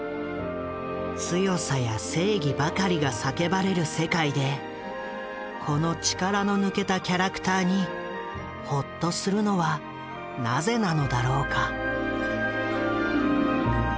強さや正義ばかりが叫ばれる世界でこの力の抜けたキャラクターにほっとするのはなぜなのだろうか？